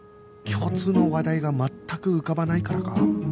共通の話題が全く浮かばないからか？